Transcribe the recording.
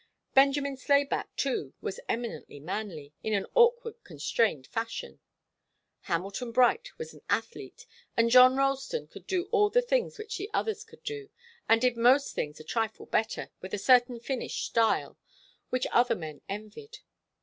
Benjamin Slayback, too, was eminently manly, in an awkward, constrained fashion. Hamilton Bright was an athlete. And John Ralston could do all the things which the others could do, and did most things a trifle better, with a certain finished 'style' which other men envied.